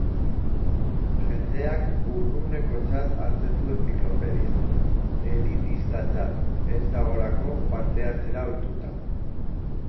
Jendeak urrunekotzat hartzen du entziklopedia, elitistatzat, ez dagoelako parte hartzera ohituta.